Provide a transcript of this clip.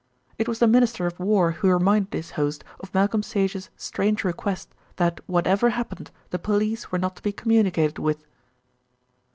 It was the Minister of War who reminded his host of Malcolm Sage's strange request that whatever happened the police were not to be communicated with.